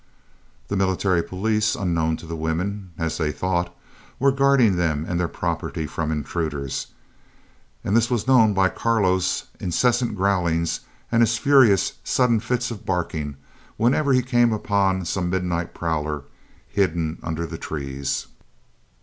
The Military Police unknown to the women, as they thought were guarding them and their property from intruders, and this was known by Carlo's incessant growlings and his furious, sudden fits of barking whenever he came upon some midnight prowler hidden under the trees.